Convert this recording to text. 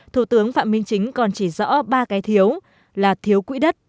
thủ tướng phạm minh chính còn chỉ rõ ba cái thiếu là thiếu quỹ đất